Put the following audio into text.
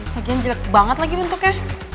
bagian jelek banget lagi bentuknya